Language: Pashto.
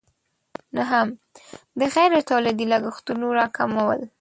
نهم: د غیر تولیدي لګښتونو راکمول.